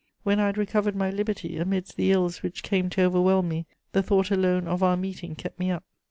When I had recovered my liberty, amidst the ills which came to overwhelm me, the thought alone of our meeting kept me up.